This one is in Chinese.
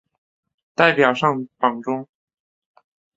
代表上榜中